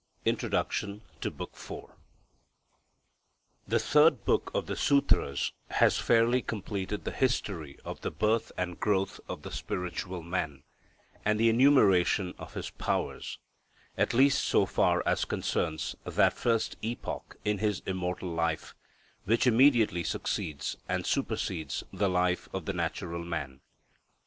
INTRODUCTION TO BOOK IV The third book of the Sutras has fairly completed the history of the birth and growth of the spiritual man, and the enumeration of his powers; at least so far as concerns that first epoch in his immortal life, which immediately succeeds, and supersedes, the life of the natural man.